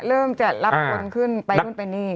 เริ่มจะลับมนต์ขึ้นไปกันไปเอง